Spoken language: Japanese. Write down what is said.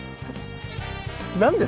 何ですか？